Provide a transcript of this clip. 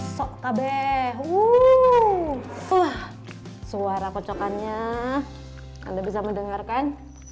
sokabe uh suara kocokannya anda bisa mendengarkan